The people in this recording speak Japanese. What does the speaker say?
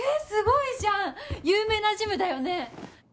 すごいじゃん有名なジムだよね？